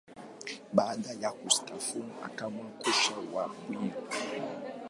Baada ya kustaafu, akawa kocha wa mbio.